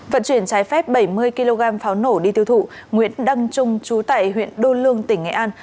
vận chuyển trái phép bảy mươi kg pháo nổ đi tiêu thụ nguyễn đăng trung chú tại huyện đô lương tỉnh nghệ an